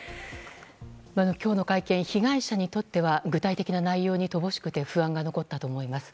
今日の会見、被害者にとっては具体的な内容に乏しくて不安が残ったと思います。